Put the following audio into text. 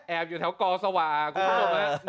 แอบอยู่มากยอด